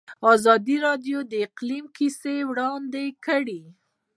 ازادي راډیو د اقلیم کیسې وړاندې کړي.